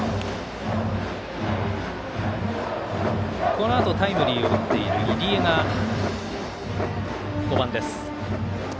このあと、タイムリーを打っている入江が５番です。